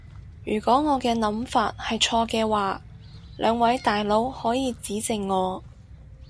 如果我嘅諗法係錯嘅話，兩位大佬可以指正我